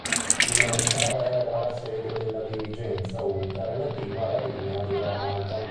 In essa era la sede della Dirigenza unica relativa alla linea diramata.